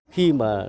kinh dương vương lăng